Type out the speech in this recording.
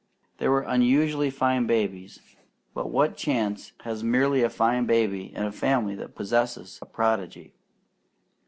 They were unusually fine babies, but what chance has merely a fine baby in a family that possesses a prodigy?